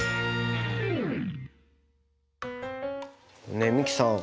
ねえ美樹さん